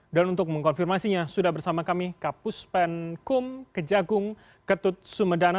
dan untuk mengkonfirmasinya sudah bersama kami kapus penkum kejagung ketut sumedana